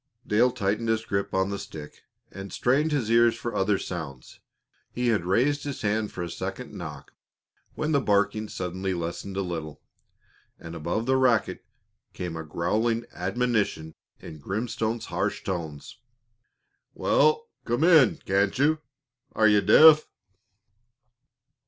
Dale tightened his grip on the stick and strained his ears for other sounds. He had raised his hand for a second knock when the barking suddenly lessened a little, and above the racket came a growling admonition in Grimstone's harsh tones: "Wal, come in, can't you? Are you deaf?"